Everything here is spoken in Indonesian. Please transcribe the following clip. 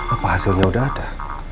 apa hasilnya udah ada